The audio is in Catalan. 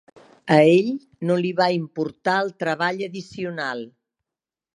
A ell no li va importar el treball addicional.